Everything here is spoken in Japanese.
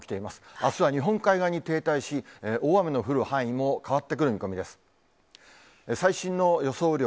あすは日本海側に停滞し、大雨の降る範囲も変わってくる見込みです。